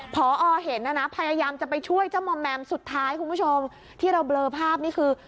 พอเห็นนะนะพยายามจะไปช่วยเจ้ามอมแมมสุดท้ายคุณผู้ชมที่เราเบลอภาพนี่คือ